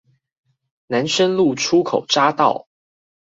南深路出口匝道